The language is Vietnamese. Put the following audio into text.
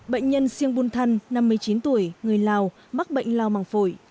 bệnh nhân siêng bùn thăn năm mươi chín tuổi người lào mắc bệnh lào mằng phổi